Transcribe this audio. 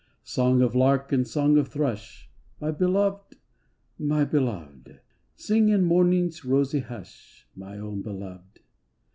Song of lark and song of thrush, My Beloved ! my Beloved ! Sing in morning's rosy bush, My own Beloved!